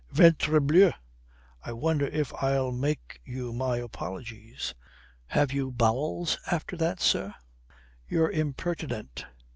"Ventrebleu, I wonder if I'll make you my apologies. Have you bowels after all, sir?" "You're impertinent."